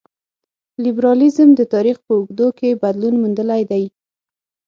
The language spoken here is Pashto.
لېبرالیزم د تاریخ په اوږدو کې بدلون موندلی دی.